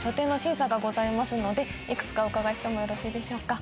いくつかお伺いしてもよろしいでしょうか？